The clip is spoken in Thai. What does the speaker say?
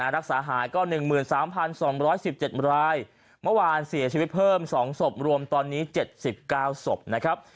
รักษาหายก็๑๓๒๑๗รายเมื่อวานเสียชีวิตเพิ่ม๒ศพรวมตอนนี้๗๙ศพนะครับ